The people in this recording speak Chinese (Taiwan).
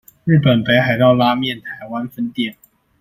日本北海道拉麵台灣分店